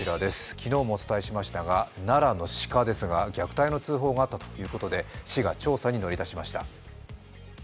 昨日もお伝えしましたが奈良の鹿ですが虐待の通報があったということで市が調査に乗り出しました。